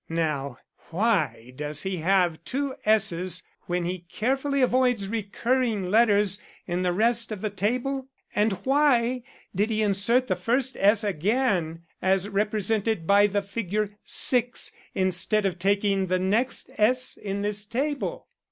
Now, why does he have two S's when he carefully avoids recurring letters in the rest of the table? And why did he insert the first S again, as represented by the figure 6, instead of taking the next S in this table?